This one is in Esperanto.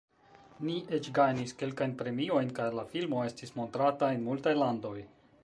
Ni eĉ gajnis kelkajn premiojn, kaj la filmo estis montrata en multaj landoj.